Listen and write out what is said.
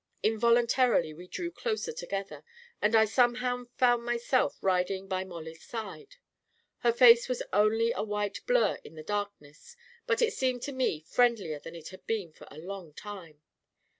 Involuntarily we drew closer together, and I somehow found myself riding by Mollie's side. Her face was only a white blur in the darkness, but it seemed to me friendlier than it had been for a long time.